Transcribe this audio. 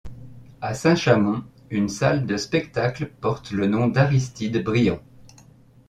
À Saint-Chamond, une salle de spectacle porte le nom d'Aristide Briand.